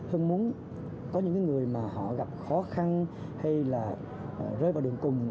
hưng muốn có những người mà họ gặp khó khăn hay là rơi vào đường cùng